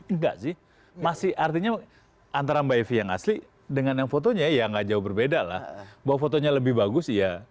enggak sih masih artinya antara mbak evi yang asli dengan yang fotonya ya nggak jauh berbeda lah bahwa fotonya lebih bagus iya